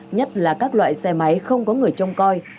nhất là các loại xe máy không có người trông coi